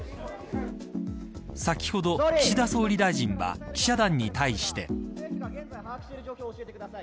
先ほど岸田総理大臣は記者団に対して。